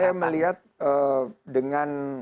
saya melihat dengan